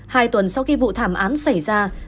hai tuần sau khi vụ thảm án xảy ra